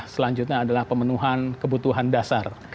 selanjutnya adalah pemenuhan kebutuhan dasar